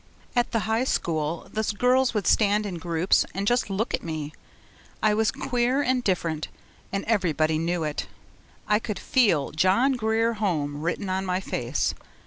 At the high school the girls would stand in groups and just look at me. I was queer and different and everybody knew it. I could FEEL 'John Grier Home' written on my face.